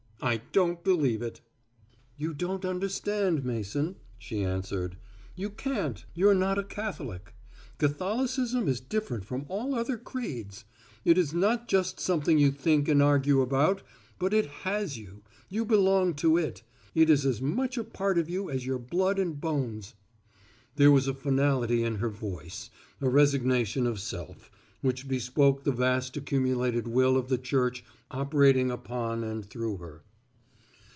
I don't believe it." "You don't understand, Mason," she answered, "you can't. You're not a Catholic. Catholicism is different from all other creeds. It is not just something you think and argue about, but it has you you belong to it; it is as much a part of you as your blood and bones." There was a finality in her voice, a resignation of self, which bespoke the vast accumulated will of the Church operating upon and through her.